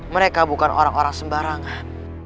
mereka bukan orang orang sembarangan